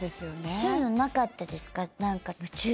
そういうのなかったですか？